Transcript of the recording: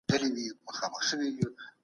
اسلامي شریعت د بشر فطري غوښتنې خوندي کړي دي.